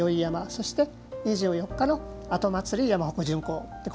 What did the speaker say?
そして、２４日の後祭、山鉾巡行。